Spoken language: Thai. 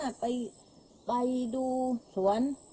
เหลืองเท้าอย่างนั้น